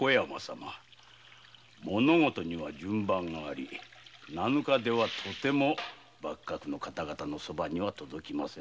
物事には順番があり七日ではとても幕閣の方々のそばには届きませぬ。